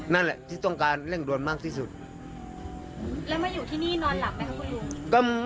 นั่นแหละที่ต้องการเร่งด่วนมากที่สุดแล้วมาอยู่ที่นี่นอนหลับไหมครับคุณลุง